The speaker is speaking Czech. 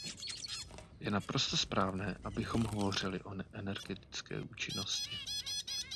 Je naprosto správné, abychom hovořili o energetické účinnosti.